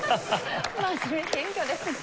真面目謙虚ですね